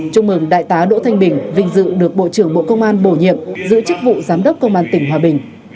chúc mừng đại tá đỗ thanh bình vinh dự được bộ trưởng bộ công an bổ nhiệm giữ chức vụ giám đốc công an tỉnh hòa bình